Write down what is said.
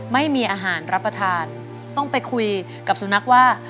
ไม่มีอาหารรับประทานต้องไปคุยกับสุนัขว่า